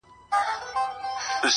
o تاو یې دی له سره خو حریر خبري نه کوي,